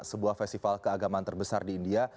sebuah festival keagamaan terbesar di india